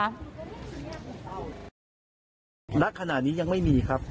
ร้านขนาดนี้ยังไม่มีครับ